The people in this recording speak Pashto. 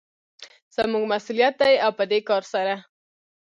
زموږ مسوليت دى او په دې کار سره